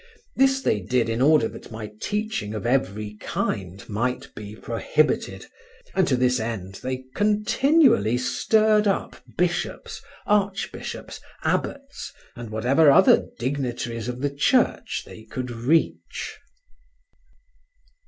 This they did in order that my teaching of every kind might be prohibited, and to this end they continually stirred up bishops, archbishops, abbots and whatever other dignitaries of the Church they could reach.